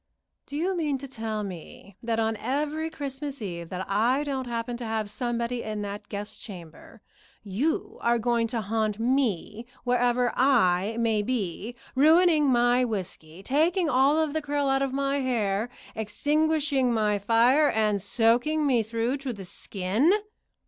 "Do you mean to tell me that on every Christmas Eve that I don't happen to have somebody in that guest chamber, you are going to haunt me wherever I may be, ruining my whiskey, taking all the curl out of my hair, extinguishing my fire, and soaking me through to the skin?"